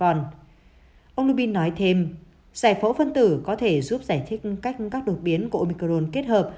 ông lubin nói thêm giải phẫu phân tử có thể giúp giải thích cách các đột biến của omicron kết hợp